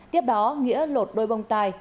tiếp đó nghĩa lột đôi bông tai